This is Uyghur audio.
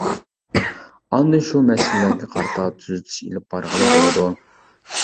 ئاندىن شۇ مەسىلىلەرگە قارىتا تۈزىتىش ئېلىپ بارغىلى بولىدۇ.